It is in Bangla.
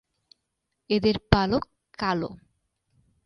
এদের পালক কালো।